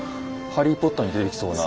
「ハリー・ポッター」に出てきそうな。